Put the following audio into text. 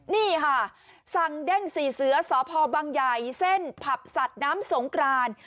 นี่ค่ะสั่งเด้งสี่เสือสพบังใหญ่เส้นผับสัตว์น้ำสงกราน